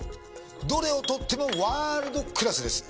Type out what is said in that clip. どれをとってもワールドクラスです。